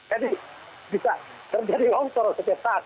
jadi bisa terjadi longsor setiap saat